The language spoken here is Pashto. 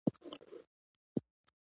د شرک پای عذاب دی.